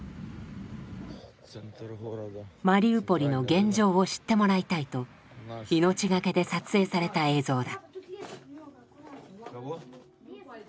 マリウポリの現状を知ってもらいたいと命懸けで撮影された映像だ。